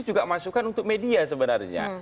juga masukan untuk media sebenarnya